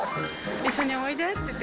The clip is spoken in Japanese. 一緒においでって言って。